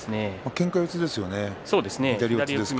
けんか四つですね。